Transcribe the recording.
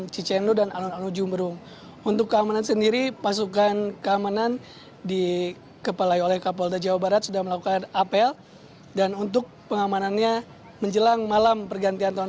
ya berdasarkan perakhiran dari intelijen